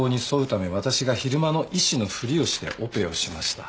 ため私が昼間の医師のふりをしてオペをしました。